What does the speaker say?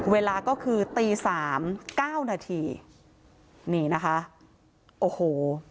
เวลาก็คือตีสามเก้านาทีนี่นะคะโอ้โห